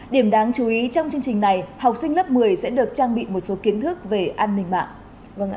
điểm đáng chú ý trong chương trình này học sinh lớp một mươi sẽ được trang bị một số kiến thức về an ninh mạng